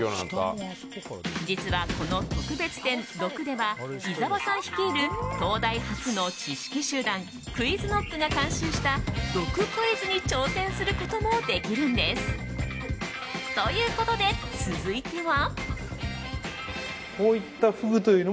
実は、この特別展「毒」では伊沢さん率いる東大発の知識集団ＱｕｉｚＫｎｏｃｋが監修した毒クイズに挑戦することもできるんです。ということで、続いては。